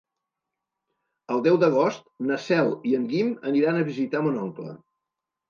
El deu d'agost na Cel i en Guim aniran a visitar mon oncle.